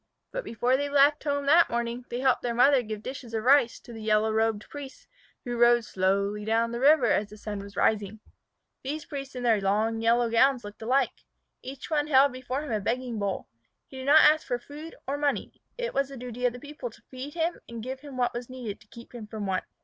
But before they left home that morning they helped their mother give dishes of rice to the yellow robed priests who rowed slowly down the river as the sun was rising. [Illustration: "THEY CARRIED SOME OF THEIR FLOWERS TO THE STATUE OF BUDDHA."] These priests in their long yellow gowns looked alike. Each one held before him a begging bowl. He did not ask for food or money. It was the duty of the people to feed him and give what was needed to keep him from want.